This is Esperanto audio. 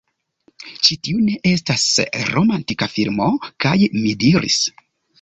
"Ĉi tiu ne estas romantika filmo!" kaj mi diris: